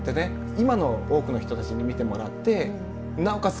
今の多くの人たちに見てもらってなおかつ